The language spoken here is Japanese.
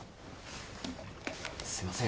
すいません